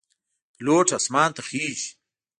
پیلوټ آسمان ته خیژي.